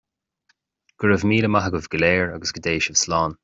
Go raibh míle maith agaibh go léir, agus go dté sibh slán